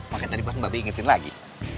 maka tadi pas mbak b ingetin lagi